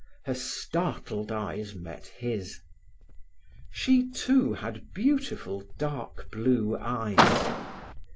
Her startled eyes met his. She, too, had beautiful dark blue eyes.